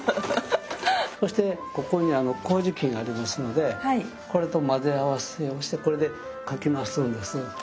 そしてここに麹菌ありますのでこれと混ぜ合わせをしてこれでかき回すんです。